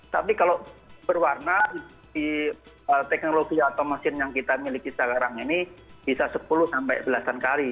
tapi kalau berwarna di teknologi atau mesin yang kita miliki sekarang ini bisa sepuluh sampai belasan kali